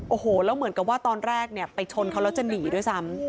โอ้โหแล้วเหมือนกับว่าตอนแรกเนี่ยไปชนเขาแล้วจะหนีด้วยซ้ำ